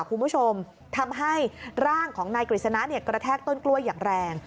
คุณผู้ชมทำให้ร่างของนายกฤษณะกระแทกต้นกล้วยอย่างแรง